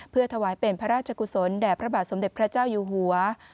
เพื่อถวายเป็นพระราชกุศลแด่พระบาทสมเด็จพระเจ้าอยู่หัว